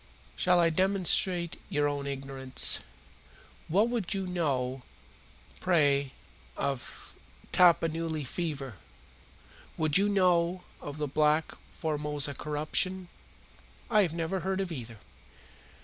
"Shall I demonstrate your own ignorance? What do you know, pray, of Tapanuli fever? What do you know of the black Formosa corruption?" "I have never heard of either."